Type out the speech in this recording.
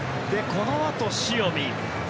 このあと塩見